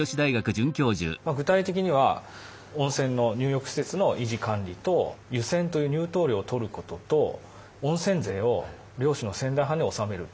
具体的には温泉の入浴施設の維持管理と湯銭という入湯料を取ることと温泉税を領主の仙台藩に納める。